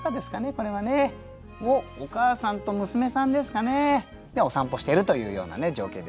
これはね。をお母さんと娘さんですかねお散歩してるというようなね情景でしょうかね。